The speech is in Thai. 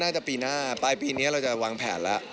น่าจะปีหน้าปลายปีนี้เราจะวางแผนล่ะ